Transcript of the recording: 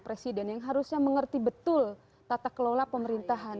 presiden yang harusnya mengerti betul tata kelola pemerintahan